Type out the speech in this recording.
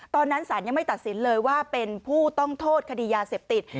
ตอนนั้นศาลยังไม่ตัดสินเลยว่าเป็นผู้ต้องโทษคดียาเสพติด